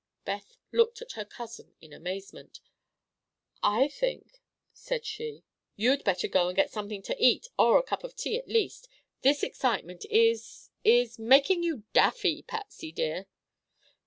Beth looked at her cousin in amazement. "I think," said she, "you'd better go and get something to eat; or a cup of tea, at least. This excitement is—is—making you daffy, Patsy dear."